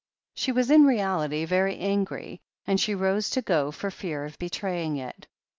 She was in reality very angry, and she rose to go for fear of betraying it.